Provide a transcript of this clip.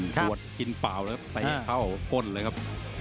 ปวดกินเปล่าแล้วก็ใส่ข้าวออกก้นเลยครับ